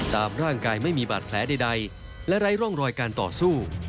ตามร่างกายไม่มีบาดแผลใดและไร้ร่องรอยการต่อสู้